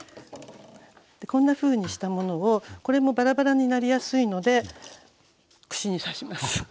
こんなふうにしたものをこれもバラバラになりやすいので串に刺します。